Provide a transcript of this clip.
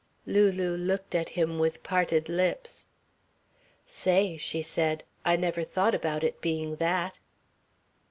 Lulu looked at him with parted lips. "Say," she said, "I never thought about it being that."